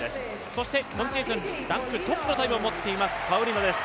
そして今シーズンランクトップのタイムを持っています、パウリノです。